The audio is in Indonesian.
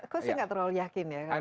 kok saya nggak terlalu yakin ya